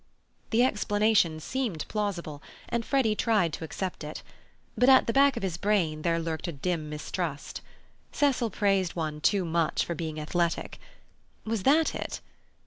The explanation seemed plausible, and Freddy tried to accept it. But at the back of his brain there lurked a dim mistrust. Cecil praised one too much for being athletic. Was that it?